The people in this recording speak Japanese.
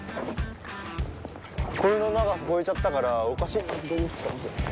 これの長さ超えちゃったからおかしいなって思ったんですよ。